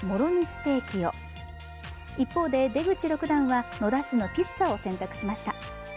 ステーキを、一方で出口六段は野田市のピッツァを選択しました。